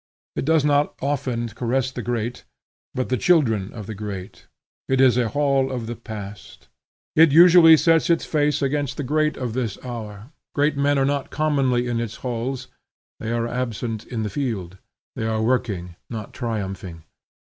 It does not often caress the great, but the children of the great: it is a hall of the Past. It usually sets its face against the great of this hour. Great men are not commonly in its halls; they are absent in the field: they are working, not triumphing.